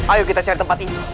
ayo kita cari tempat ini